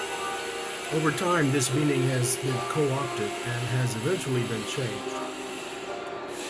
Over time this meaning has been co-opted and has eventually been changed.